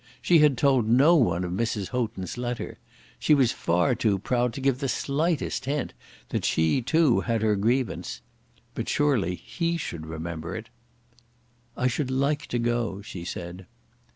She had told no one of Mrs. Houghton's letter. She was far too proud to give the slightest hint that she too had her grievance. But surely he should remember it. "I should like to go," she said.